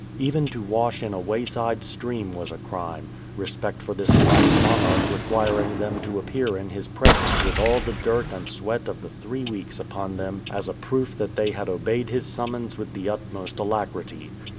Even to wash in a wayside stream was a crime, respect for this black monarch requiring them to appear in his presence with all the dirt and sweat of the three weeks upon them as a proof that they had obeyed his summons with the utmost alacrity.